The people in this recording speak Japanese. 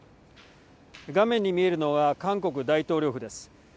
画面に見えるのが韓国大統領府です。